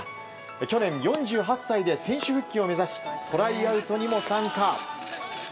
去年４８歳で選手復帰を目指しトライアウトにも参加。